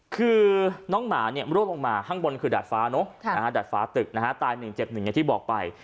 คือน้องหมารวบลงมาห้างบนคือดาดฟ้าดาดฟ้าตึกตาย๑เจ็บ๑อย่างที่บอกไป